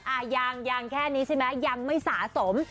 อ่ายางยางแค่นี้ใช่ไหมยังไม่สะสม